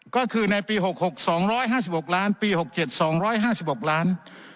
ก็คือในปี๖๖๒๕๖ล้านปี๖๗๒๕๖ล้าน